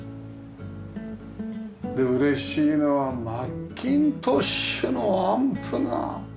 で嬉しいのはマッキントッシュのアンプが。